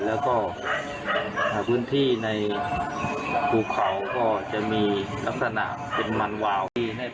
แล้วก็พื้นที่ในภูเขาก็จะมีลักษณะเป็นมันวาวที่ให้